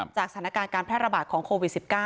สถานการณ์การแพร่ระบาดของโควิด๑๙